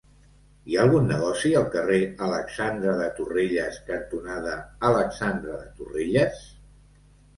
Hi ha algun negoci al carrer Alexandre de Torrelles cantonada Alexandre de Torrelles?